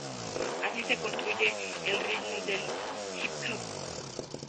Así se construye el ritmo del hip hop.